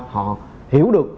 họ hiểu được